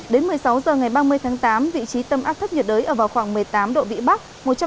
đến một mươi sáu h ngày ba mươi tháng tám vị trí tâm áp thấp nhiệt đới ở vào khoảng một mươi tám độ vĩ bắc